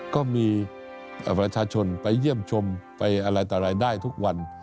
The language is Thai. ก็มีประชาชนไปเยี่ยมชมไปอะไรต่อรายได้ทุกวัน